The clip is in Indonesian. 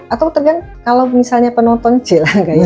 atau tergantung kalau misalnya penonton c lah